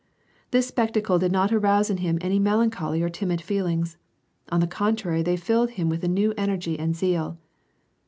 This spectacle did not arouse in him any melancholy or timid feelings ; on the contrary they filled him with new energy and zeal.